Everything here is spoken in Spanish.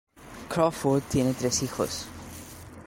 Crawford tiene tres hijos.